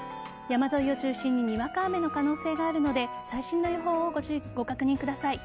山沿いを中心ににわか雨の可能性があるので最新の予報をご確認ください。